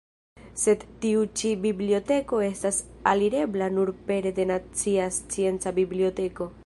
Sed tiu ĉi biblioteko estas alirebla nur pere de nacia scienca biblioteko.